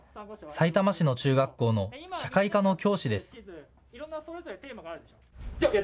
さいたま市の中学校の社会科の教師です。